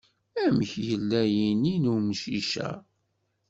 Amek yella yini n umcic-a?